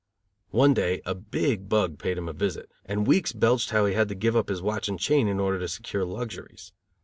One day a big bug paid him a visit, and Weeks belched how he had to give up his watch and chain in order to secure luxuries.